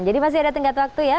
jadi masih ada tenggat waktu ya